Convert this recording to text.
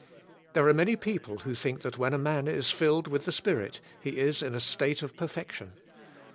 There are many people who think that when a man is filled with the Spirit, he is in a state of perfec tion.